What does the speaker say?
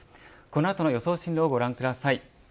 この後の予想進路をご覧ください。